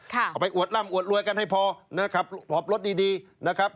เขาไปอวดร่ำอวดรวยกันให้พอหอบรถดีนะครับ